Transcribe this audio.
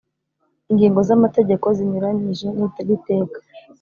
ingingo z amategeko zinyuranyije n iri teka